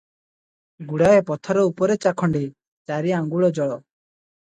ଗୁଡ଼ାଏ ପଥର ଉପରେ ଚାଖଣ୍ଡେ, ଚାରି ଆଙ୍ଗୁଳ ଜଳ ।